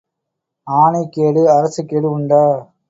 ஆனை கேடு, அரசு கேடு உண்டா?